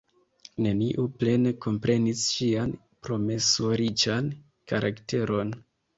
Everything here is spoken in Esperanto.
Neniu plene komprenis ŝian promesoriĉan karakteron.